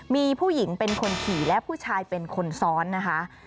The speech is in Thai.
มีผู้หญิงเป็นคนขี่และผู้ชายเป็นคนซ้อนนะคะ